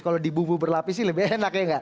kalau di bubu berlapis lebih enak